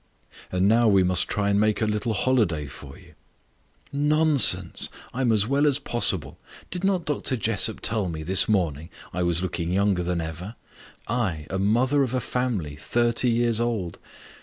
"And now we must try and make a little holiday for you." "Nonsense! I am as well as possible. Did not Dr. Jessop tell me, this morning, I was looking younger than ever? I a mother of a family, thirty years old?